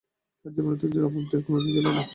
তাঁর জীবনে ধৈর্যের অভাব কোনোদিন ছিল না।